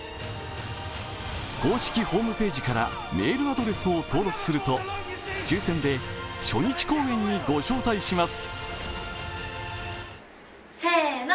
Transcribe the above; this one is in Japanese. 公式ホームページからメールアドレスを登録すると抽選で初日公演にご招待します。